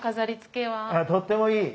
あっとってもいい。